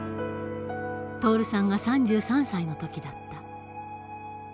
徹さんが３３歳の時だった。